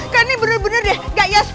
kan ini bener bener deh gak ya